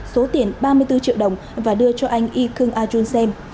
số tiền ba mươi bốn triệu đồng và đưa cho anh y khương a jun xem